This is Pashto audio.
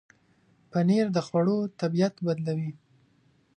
پنېر د خوړو طبعیت بدلوي.